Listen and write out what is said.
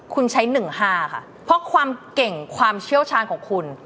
คุณใช้๑๕ค่ะเพราะความเก่งความเชี่ยวชาญของคุณ